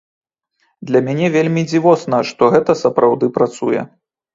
Для мяне вельмі дзівосна, што гэта сапраўды працуе.